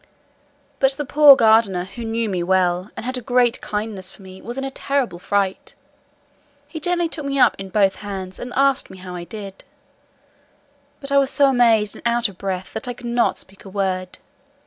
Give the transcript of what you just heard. But the poor gardener, who knew me well, and had a great kindness for me, was in a terrible fright: he gently took me up in both his hands, and asked me how I did? but I was so amazed and out of breath, that I could not speak a word.